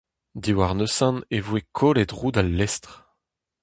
Diwar neuze e voe kollet roud al lestr.